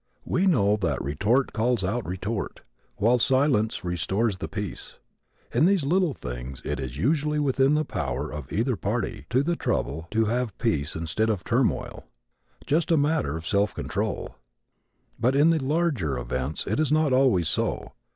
We know that retort calls out retort, while silence restores the peace. In these little things it is usually within the power of either party to the trouble to have peace instead of turmoil just a matter of self control. But in the larger events it is not always so.